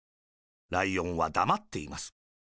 ライオンは、だまっています。